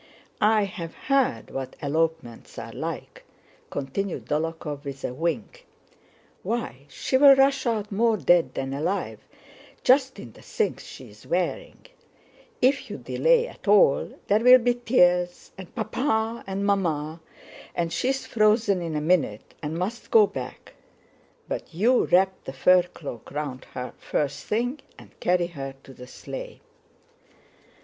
I have heard what elopements are like," continued Dólokhov with a wink. "Why, she'll rush out more dead than alive just in the things she is wearing; if you delay at all there'll be tears and 'Papa' and 'Mamma,' and she's frozen in a minute and must go back—but you wrap the fur cloak round her first thing and carry her to the sleigh."